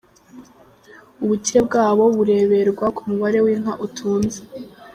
Ubukire bwabo bureberwa ku mubare w’ inka utunze.